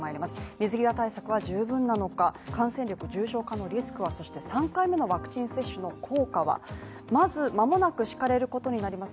水際対策は十分なのか、感染力重症化のリスクはそして３回目のワクチン接種の効果はまず、まもなく敷かれることになります